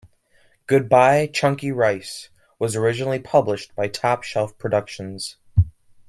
"Good-bye, Chunky Rice" was originally published by Top Shelf Productions.